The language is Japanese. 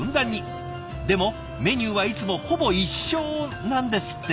でもメニューはいつもほぼ一緒なんですって。